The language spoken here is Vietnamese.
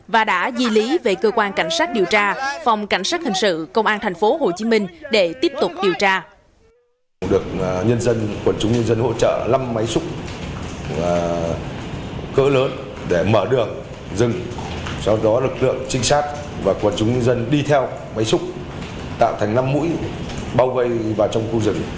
và đã di lý về cơ quan cảnh sát điều tra phòng cảnh sát hình sự công an tp hồ chí minh